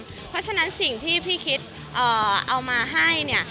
เพราะฉะนั้นสิ่งที่พี่คิดเอามาให้เนี่ย